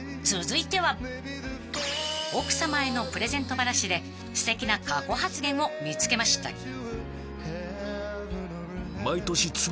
［続いては奥さまへのプレゼント話ですてきな過去発言を見つけました］